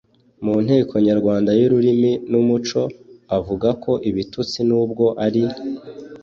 mu nteko nyarwanda y’ururimi n’umuco , avuga ko ibitutsi n’ubwo ari